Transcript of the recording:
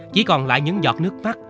chỉ còn lại những giọt nước mắt